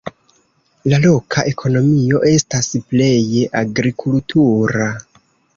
La loka ekonomio estas pleje agrikultura.